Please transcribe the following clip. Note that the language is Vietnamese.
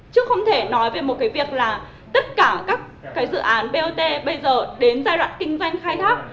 chứ không thể nói về một cái việc là tất cả các dự án bot bây giờ đến giai đoạn kinh doanh khai thác